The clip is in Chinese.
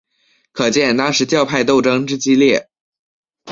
可见当时教派斗争之激烈。